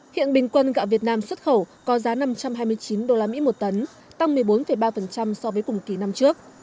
hiện bình quân gạo việt nam xuất khẩu có giá năm trăm hai mươi chín usd một tấn tăng một mươi bốn ba so với cùng kỳ năm trước